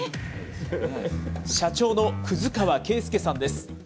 社長の葛川敬祐さんです。